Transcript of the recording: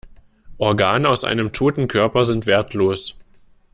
Organe aus einem toten Körper sind wertlos.